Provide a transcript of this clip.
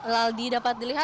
laldi dapat dilihat